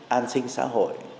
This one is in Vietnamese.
an sinh xã hội